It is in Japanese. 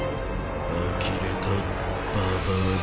あきれたババアだ。